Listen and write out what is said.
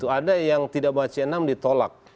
ada yang tidak baca c enam ditolak